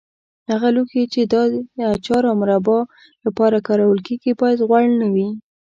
هغه لوښي چې د اچار او مربا لپاره کارول کېږي باید غوړ نه وي.